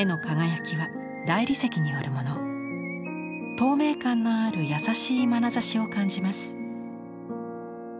透明感のある優しいまなざしを感じます。